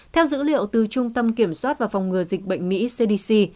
theo dữ liệu từ trung tâm kiểm soát và phòng ngừa dịch bệnh mỹ cdc